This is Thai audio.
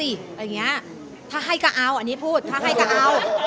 อย่างนี้ถ้าให้ก็เอาอันนี้พูดถ้าให้ก็เอา